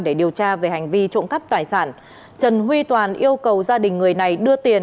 để điều tra về hành vi trộm cắp tài sản trần huy toàn yêu cầu gia đình người này đưa tiền